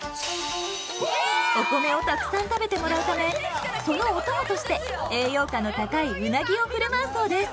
お米をたくさん食べてもらうためそのお供として栄養価の高いうなぎを振る舞うそうです。